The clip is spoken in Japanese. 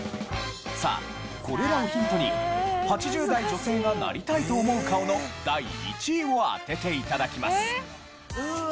さあこれらをヒントに８０代女性がなりたいと思う顔の第１位を当てて頂きます。